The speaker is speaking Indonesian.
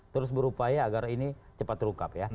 terus berupaya agar ini cepat terungkap ya